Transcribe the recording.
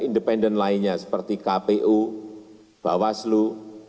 independen lainnya seperti kpu bawaslu